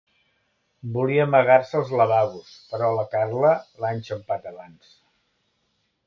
Volia amagar-se als lavabos, però la Carla l'ha enxampat abans.